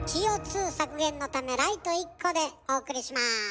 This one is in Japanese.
ＣＯ削減のためライト１個でお送りします。